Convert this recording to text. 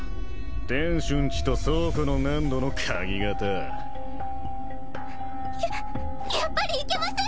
店主んちと倉庫の粘土の鍵型。ややっぱりいけません